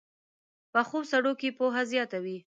پخو سړو کې پوهه زیاته وي